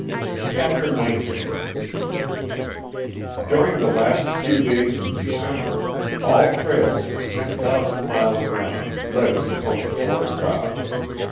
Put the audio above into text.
CHAPTER NINETEEN During the last few days in December all trails for ten thousand square miles around led to Post Fort 0' God.